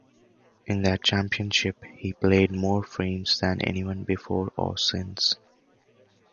In that championship he played more frames than anyone before or since.